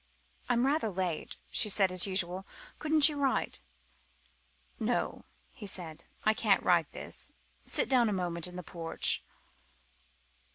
"I'm rather late," she said, as usual; "couldn't you write?" "No," he said, "I can't write this. Sit down a moment in the porch."